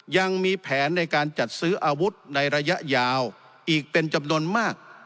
ยังมีแผนในการจัดซื้ออาวุธในระยะยาวอีกเป็นจำนวนมาก